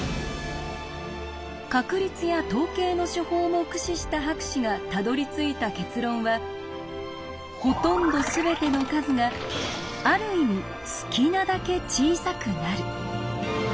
確率や統計の手法も駆使した博士がたどりついた結論は「ほとんどすべての数がある意味好きなだけ小さくなる」。